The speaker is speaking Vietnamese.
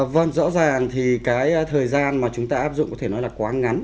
vâng rõ ràng thì cái thời gian mà chúng ta áp dụng có thể nói là quá ngắn